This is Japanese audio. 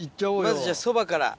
まずじゃあ蕎麦から。